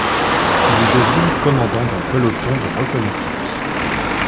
Il y devient commandant d'un peloton de reconnaissance.